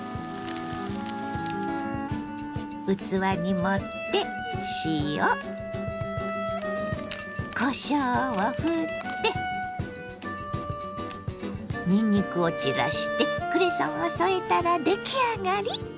器に盛って塩こしょうをふってにんにくを散らしてクレソンを添えたら出来上がり！